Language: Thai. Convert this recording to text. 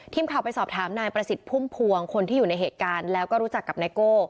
ทีมข่าวไปสอบถามนายประสิทธิ์พุ่มพวงคนที่อยู่ในเหตุการณ์แล้วก็รู้จักกับไนโก้